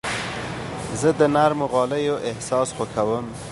زه د نرمو غالیو احساس خوښوم.